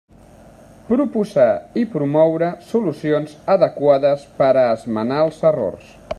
Proposar i promoure solucions adequades per a esmenar els errors.